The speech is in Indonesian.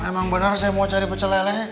emang benar saya mau cari pecah lele